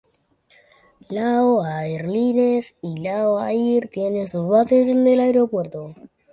Lao Airlines y Lao Air tienen sus bases en el aeropuerto.